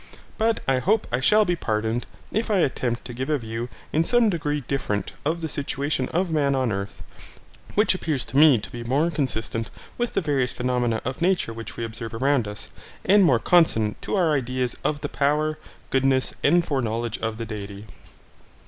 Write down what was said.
But I hope I shall be pardoned if I attempt to give a view in some degree different of the situation of man on earth, which appears to me to be more consistent with the various phenomena of nature which we observe around us and more consonant to our ideas of the power, goodness, and foreknowledge of the Deity.